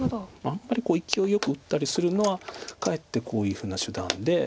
あんまりいきおいよく打ったりするのはかえってこういうふうな手段で。